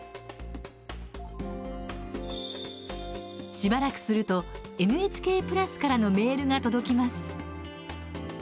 しばらくするとＮＨＫプラスからのメールが届きます。